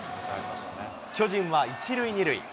巨人は１塁２塁。